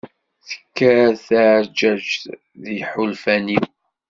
Tekker tɛeǧǧaǧǧt deg yiḥulfan-iw.